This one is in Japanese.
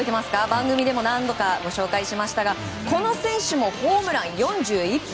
番組でも何度か紹介しましたがこの選手もホームラン４１本。